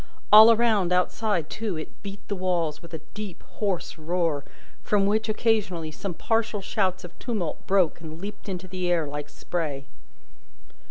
All around outside, too, it beat the walls with a deep, hoarse roar, from which, occasionally, some partial shouts of tumult broke and leaped into the air like spray.